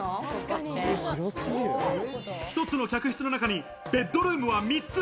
一つの客室の中にベッドルームは３つ。